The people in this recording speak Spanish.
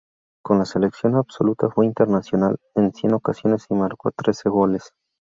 Con la selección absoluta fue internacional en cien ocasiones y marcó trece goles.